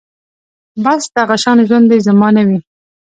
بس دغه شان ژوند دې زما نه وي